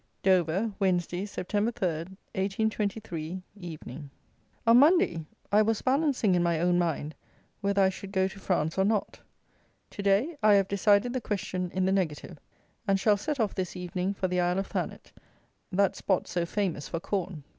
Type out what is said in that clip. Dover, Wednesday, Sept. 3, 1823 (Evening). On Monday I was balancing in my own mind whether I should go to France or not. To day I have decided the question in the negative, and shall set off this evening for the Isle of Thanet, that spot so famous for corn.